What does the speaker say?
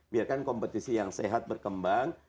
biarkan kompetisi yang sehat berkembang